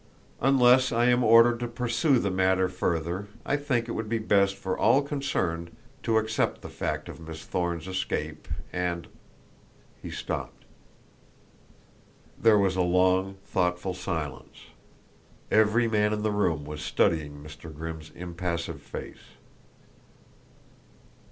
Unless I am ordered to pursue the matter further I think it would be best for all concerned to accept the fact of Miss Thorne's escape, and " He stopped. There was a long, thoughtful silence. Every man in the room was studying Mr. Grimm's impassive face.